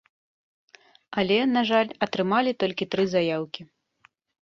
Але, на жаль, атрымалі толькі тры заяўкі.